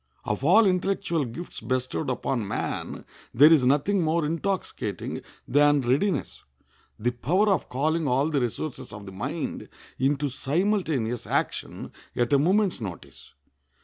Of all intellectual gifts bestowed upon man there is nothing more intoxicating than readiness—the power of calling all the resources of the mind into simultaneous action at a moment's notice.